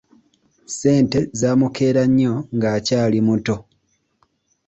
Ssente zaamukeera nnyo ng'akyali muto.